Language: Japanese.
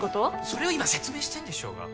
それを今説明してんでしょうが！